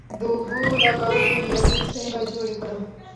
د اوبو لګولو ویالې څنګه جوړې کړم؟